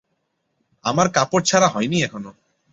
আমার কাপড় ছাড়া হয় নি এখনও।